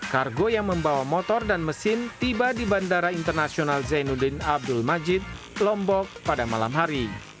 kargo yang membawa motor dan mesin tiba di bandara internasional zainuddin abdul majid lombok pada malam hari